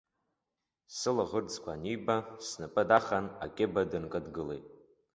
Сылаӷырӡқәа аниба, снапы дахан акьыба дынкыдлеит.